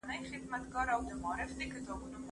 عشقي ادب قبايلي تړاو لري.